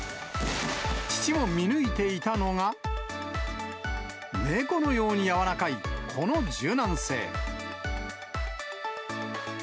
父も見抜いていたのが、猫のように柔らかいこの柔軟性。